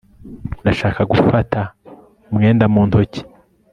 Ndashaka gufata umwenda mu ntoki